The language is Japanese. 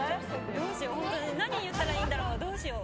どうしよう、本当に、何言ったらいいんだろう、どうしよう。